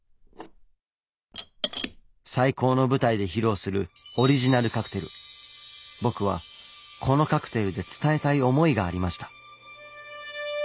最高の舞台で披露する僕はこのカクテルで伝えたい思いがありました。